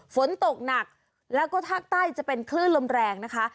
ฝนตกหนักแล้วก็ภาคใต้จะเป็นคลื่นลมแรงนะคะ